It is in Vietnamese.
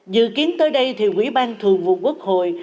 dự kiến tới đây thì quỹ ban thường vụ quốc hội